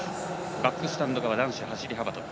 バックスタンド側男子走り幅跳び。